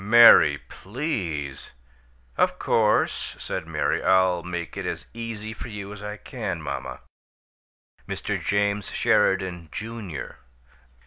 "Mary, PLEASE " "Of course," said Mary. "I'll make it as easy for you as I can, mamma. Mr. James Sheridan, Junior.